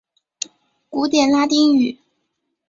古典拉丁语。